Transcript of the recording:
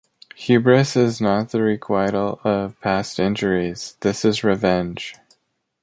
Hubris is not the requital of past injuries; this is revenge.